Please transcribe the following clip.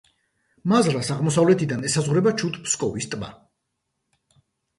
მაზრას აღმოსავლეთიდან ესაზღვრება ჩუდ-ფსკოვის ტბა.